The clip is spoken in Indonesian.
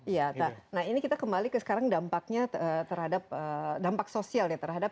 iya nah ini kita kembali ke sekarang dampaknya terhadap dampak sosial ya terhadap